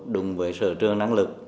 đúng với sở trường năng lực